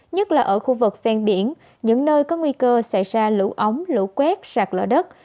nhất là ở khu vực ven biển những nơi có nguy cơ xảy ra lũ ống lũ quét sạt lở đất